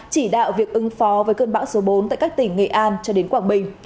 chỉ đạo việc ứng phó với cơn bão số bốn tại các tỉnh nghệ an cho đến quảng bình